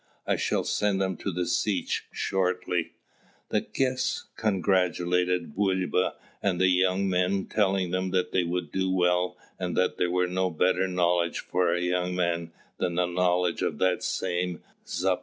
I shall send them to the Setch (2) shortly." The guests congratulated Bulba and the young men, telling them they would do well and that there was no better knowledge for a young man than a knowledge of that same Zaporozhian Setch.